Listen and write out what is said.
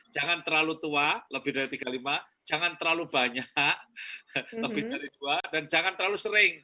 jangan terlalu tua lebih dari tiga puluh lima jangan terlalu banyak lebih dari dua dan jangan terlalu sering